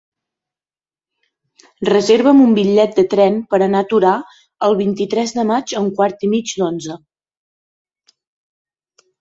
Reserva'm un bitllet de tren per anar a Torà el vint-i-tres de maig a un quart i mig d'onze.